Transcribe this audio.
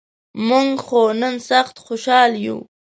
مونږ خو نن سخت خوشال یوو.